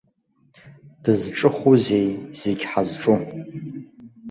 Дызҿыхузеи, зегь ҳазҿу.